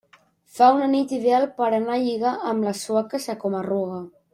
Fa una nit ideal per anar a lligar amb les sueques a Coma-ruga.